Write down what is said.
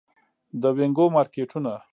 د وینګو مارکیټونه